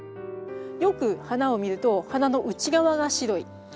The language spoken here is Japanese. よく花を見ると花の内側が白い。